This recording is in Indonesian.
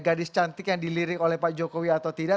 gadis cantik yang dilirik oleh pak jokowi atau tidak